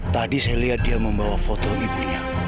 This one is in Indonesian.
tadi saya lihat dia membawa foto ibunya